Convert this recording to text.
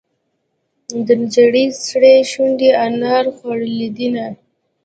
د نجلۍ سرې شونډې انار خوړلې دينهه.